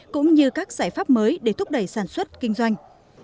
cũng như các giải pháp mới để thúc đẩy sản xuất kinh doanh